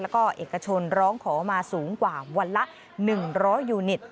แล้วก็เอกชนร้องขอมาสูงกว่าวันละ๑๐๐ยูนิต